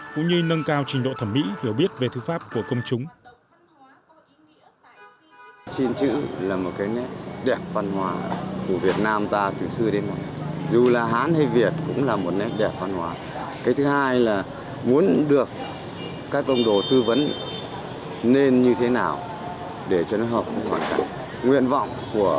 cũng như nâng cao trình độ thẩm mỹ hiểu biết về thư pháp của công chúng